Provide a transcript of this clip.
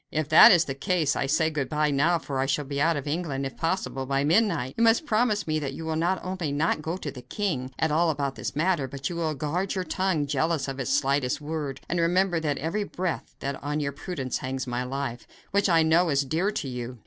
"If that is the case, I say good bye now, for I shall be out of England, if possible, by midnight. You must promise me that you will not only not go to the king at all about this matter, but that you will guard your tongue, jealous of its slightest word, and remember with every breath that on your prudence hangs my life, which, I know, is dear to you.